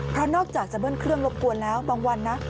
เพราะนอกจากจะเบิ้ลเครื่องรบกวนแล้วบางวันนะ